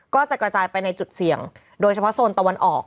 ก็จะกระจายไปในจุดเสี่ยงโดยเฉพาะโซนตะวันออก